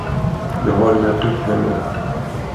Jag har lärt upp henne.